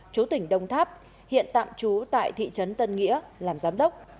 chú tỉnh đông tháp hiện tạm trú tại thị trấn tân nghĩa làm giám đốc